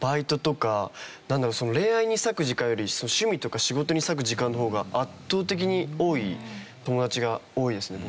恋愛に割く時間より趣味とか仕事に割く時間の方が圧倒的に多い友達が多いですね